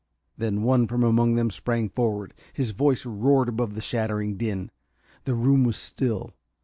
Then one from among them sprang forward. His voice roared above the shattering din. The room was still.